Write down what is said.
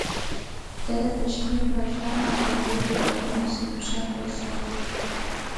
ده د کشمیر، ملتان او لاهور ولایتونه سلیم شاه ته وسپارل.